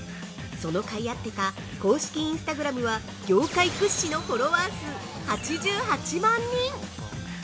その甲斐あってか公式インスタグラムは業界屈指のフォロワー数８８万人。